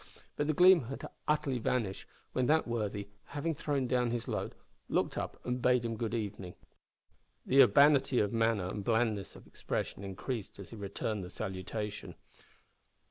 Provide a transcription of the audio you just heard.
But the gleam had utterly vanished when that worthy, having thrown down his load, looked up and bade him good evening. The urbanity of manner and blandness of expression increased as he returned the salutation.